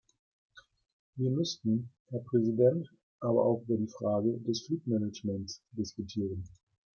Wir müssten, Herr Präsident, aber auch über die Frage des Flugmanagements diskutieren.